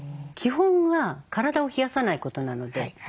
基本は体を冷やさないことなので。